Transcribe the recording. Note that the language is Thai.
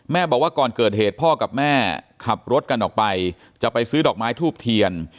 บอกว่าก่อนเกิดเหตุพ่อกับแม่ขับรถกันออกไปจะไปซื้อดอกไม้ทูบเทียน